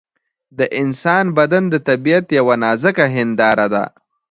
د انسان بدن د طبیعت یوه نازکه هنداره ده.